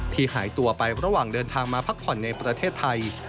หายตัวไประหว่างเดินทางมาพักผ่อนในประเทศไทย